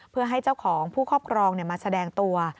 เพื่อให้เจ้าของผู้ครอบครองมาแสดงตัว